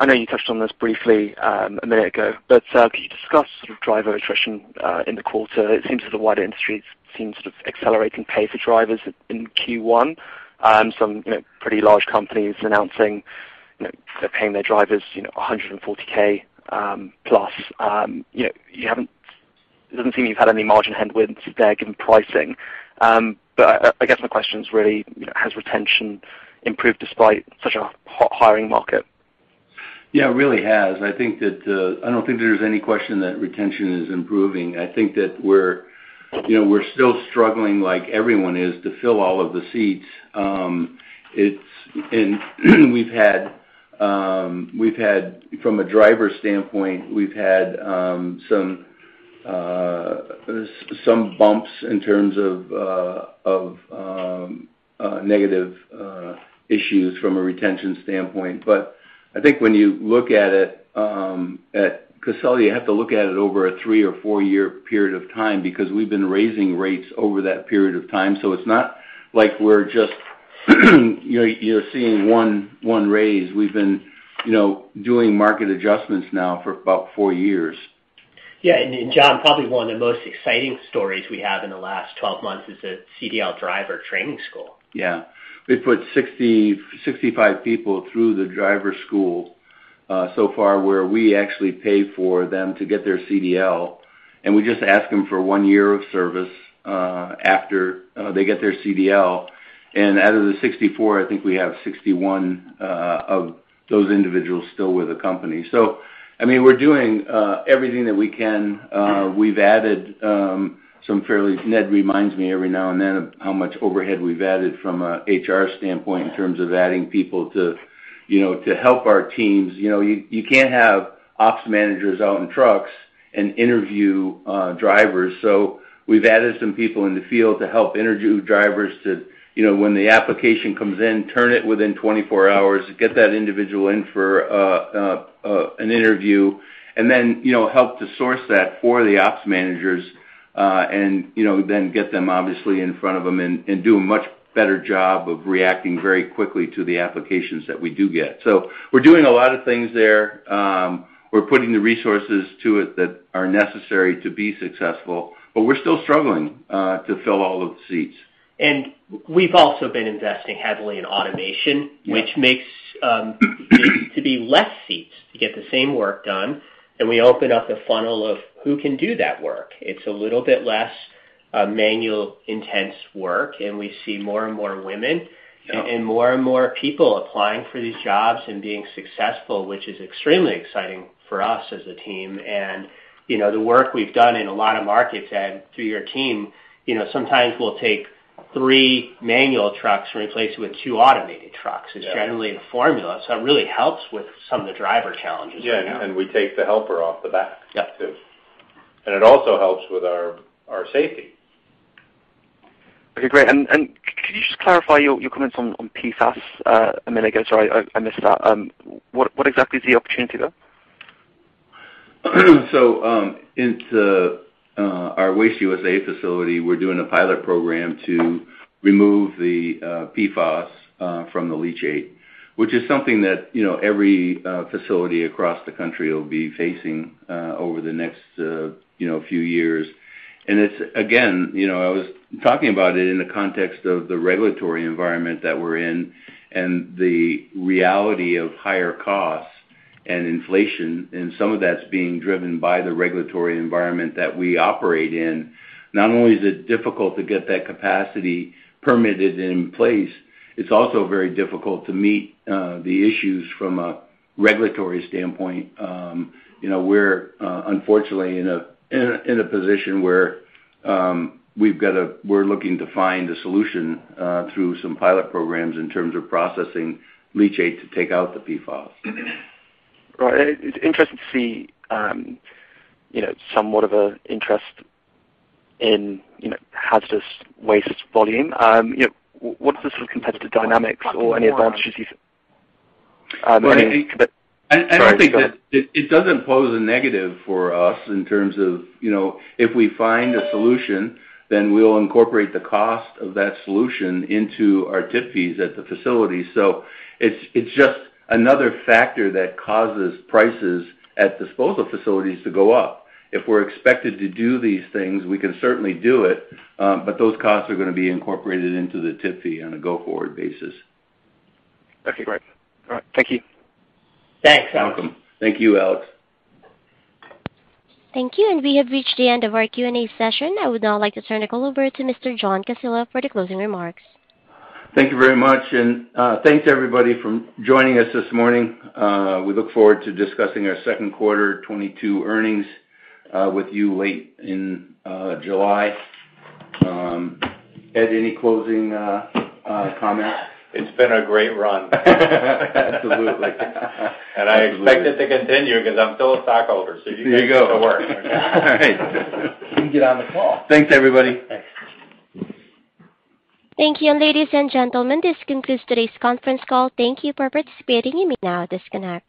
I know you touched on this briefly a minute ago, but can you discuss sort of driver attrition in the quarter? It seems that the wider industry seems to be accelerating pay for drivers in Q1. Some, you know, pretty large companies announcing, you know, they're paying their drivers, you know, $140K plus. You know, it doesn't seem you've had any margin headwinds there given pricing. I guess my question is really, you know, has retention improved despite such a hot hiring market? Yeah, it really has. I think that I don't think there's any question that retention is improving. I think that we're, you know, we're still struggling like everyone is to fill all of the seats. It's and we've had, we've had from a driver standpoint, we've had some some bumps in terms of, negative issues from a retention standpoint. I think when you look at it, at Casella, you have to look at it over a three- or four-year period of time because we've been raising rates over that period of time, so it's not like we're just, you know, you're seeing one raise. We've been, you know, doing market adjustments now for about four years. John, probably one of the most exciting stories we have in the last 12 months is the CDL driver training school. Yeah. We put 65 people through the driver school so far where we actually pay for them to get their CDL, and we just ask them for one year of service after they get their CDL. Out of the 64, I think we have 61 of those individuals still with the company. I mean, we're doing everything that we can. We've added. Ned reminds me every now and then of how much overhead we've added from a HR standpoint in terms of adding people to you know to help our teams. You know, you can't have ops managers out in trucks and interview drivers. We've added some people in the field to help interview drivers to, you know, when the application comes in, turn it within 24 hours, get that individual in for an interview, and then, you know, help to source that for the ops managers, and, you know, then get them obviously in front of them and do a much better job of reacting very quickly to the applications that we do get. We're doing a lot of things there. We're putting the resources to it that are necessary to be successful, but we're still struggling to fill all of the seats. We've also been investing heavily in automation. Yeah. which makes to be less seats to get the same work done, and we open up a funnel of who can do that work. It's a little bit less manual-intensive work, and we see more and more women. Yeah. More and more people applying for these jobs and being successful, which is extremely exciting for us as a team. You know, the work we've done in a lot of markets and through your team, you know, sometimes we'll take three manual trucks and replace with two automated trucks. Yeah. It's generally the formula, so it really helps with some of the driver challenges we have. Yeah. We take the helper off the back too. Yeah. It also helps with our safety. Okay, great. Could you just clarify your comments on PFAS a minute ago? Sorry, I missed that. What exactly is the opportunity there? Into our Waste USA facility, we're doing a pilot program to remove the PFAS from the leachate, which is something that you know every facility across the country will be facing over the next you know few years. It's again you know I was talking about it in the context of the regulatory environment that we're in and the reality of higher costs and inflation, and some of that's being driven by the regulatory environment that we operate in. Not only is it difficult to get that capacity permitted in place, it's also very difficult to meet the issues from a regulatory standpoint. You know we're unfortunately in a position where we're looking to find a solution through some pilot programs in terms of processing leachate to take out the PFAS. Right. It's interesting to see, you know, somewhat of an interest in, you know, hazardous waste volume. You know, what is the sort of competitive dynamics or any advantages. I mean, sorry. Go on. I don't think that. It doesn't pose a negative for us in terms of, you know, if we find a solution, then we'll incorporate the cost of that solution into our tip fees at the facility. It's just another factor that causes prices at disposal facilities to go up. If we're expected to do these things, we can certainly do it, but those costs are gonna be incorporated into the tip fee on a go-forward basis. Okay, great. All right. Thank you. Thanks. Welcome. Thank you, Alex. Thank you. We have reached the end of our Q&A session. I would now like to turn the call over to Mr. John Casella for the closing remarks. Thank you very much, and thanks everybody for joining us this morning. We look forward to discussing our Q2 2022 earnings with you late in July. Ed, any closing comments? It's been a great run. Absolutely. I expect it to continue because I'm still a stockholder. There you go. You guys get to work. All right. You get on the call. Thanks, everybody. Thanks. Thank you, ladies and gentlemen. This concludes today's conference call. Thank you for participating. You may now disconnect.